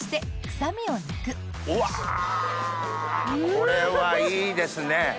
これはいいですね！